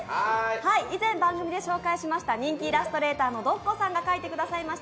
以前番組で紹介しました人気イラストレーターのｄｏｃｃｏさんが描いてくれました